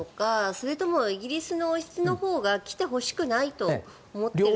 それともイギリス王室のほうが来てほしくないと思っているのか。